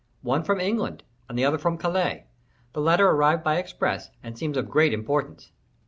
"One from England, and the other from Calais; the latter arrived by express, and seems of great importance."